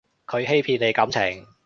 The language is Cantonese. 佢欺騙你感情